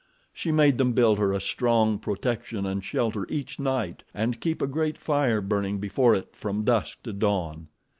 She made them build her a strong protection and shelter each night and keep a great fire burning before it from dusk to dawn.